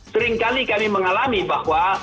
seringkali kami mengalami bahwa